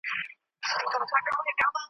ذهن چي صفا وي خیالات به صفا وي .